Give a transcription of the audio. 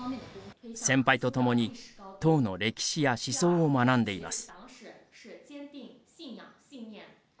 先輩と共に党の歴史や思想を学んでいます。